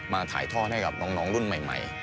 ถ่ายทอดให้กับน้องรุ่นใหม่